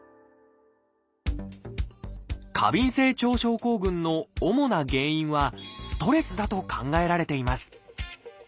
過敏性腸症候群の主な原因はストレスだと考えられています。